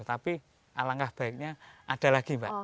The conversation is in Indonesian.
tapi alangkah baiknya ada lagi mbak